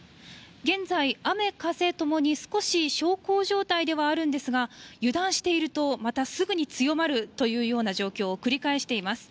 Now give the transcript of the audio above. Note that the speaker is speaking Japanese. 現在、雨風ともに少し小康状態ではあるんですが、油断しているとまたすぐに強まるというような状況を繰り返しています。